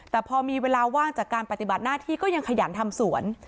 แต่พอมีเวลาว่างจากการปฏิบัติหน้าที่ก็ยังขยันทำสวน